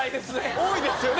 多いですよね。